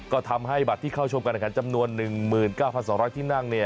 ก็ทำให้บัตรที่เข้าชมการแข่งขันจำนวน๑๙๒๐๐ที่นั่ง